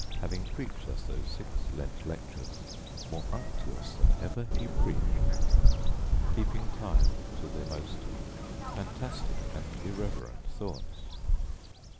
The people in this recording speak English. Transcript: Having preached us those six Lent lectures, More unctuous than ever he preached," keeping time to the most fantastic and irreverent thoughts.